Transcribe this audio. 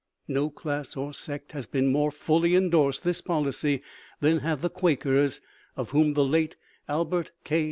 No class or sect has more fully endorsed this policy than have the Quakers, of whom the late Albert K.